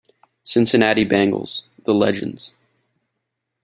"Cincinnati Bengals, The Legends".